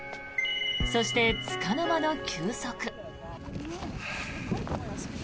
そして、つかの間の休息。